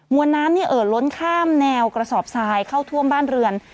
วนน้ำเอ่อล้นข้ามแนวกระสอบทรายเข้าท่วมบ้านเรือน